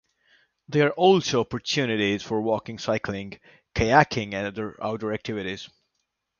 There are also opportunities for walking, cycling, kayaking, and other outdoor activities.